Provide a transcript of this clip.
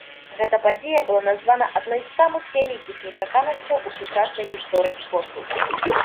Гэта падзея была названа адной з самых вялікіх нечаканасцяў у сучаснай гісторыі спорту.